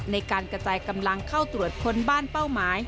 ในการกระจายกำลังเข้าตรวจค้นบ้านเป้าหมาย